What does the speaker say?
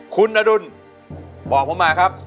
คุณอดุลบอกผมมาครับ